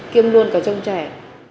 kiêm luôn cả trong trẻ